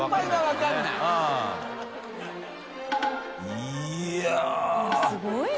いやすごいな。